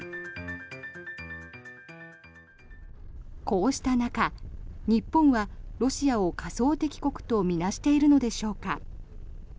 こうした中、日本はロシアを仮想敵国と見なしているのでしょうか。